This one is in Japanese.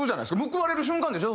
報われる瞬間でしょ？